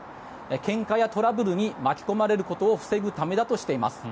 けんかやトラブルに巻き込まれることを防ぐためだとしています。